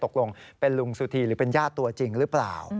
ตกลงเป็นลุงสุธีหรือเป็นญาติตัวจริงหรือเปล่า